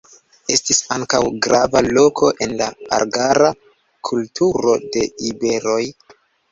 Estis ankaŭ grava loko en la argara kulturo de iberoj.